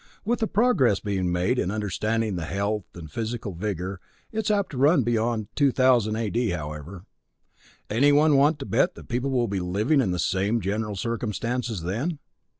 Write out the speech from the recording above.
With the progress being made in understanding of health and physical vigor, it's apt to run beyond 2000 A.D., however. Anyone want to bet that people will be living in the same general circumstances then?